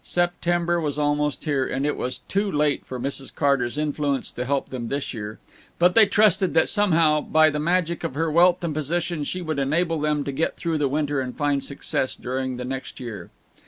September was almost here, and it was too late for Mrs. Carter's influence to help them this year, but they trusted that somehow, by the magic of her wealth and position, she would enable them to get through the winter and find success during the next year.